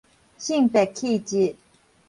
性別氣質